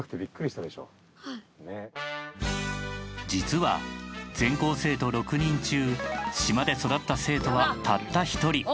実は全校生徒６人中島で育った生徒はたった１人。